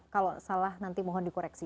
kalau salah nanti mohon dikoreksi